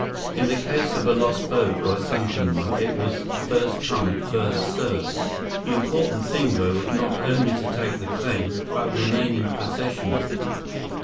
In the case of a lost boat, or a sunken one, it was "first come, first served." The important thing, though, was not only to take the claim, but remain in possession of it.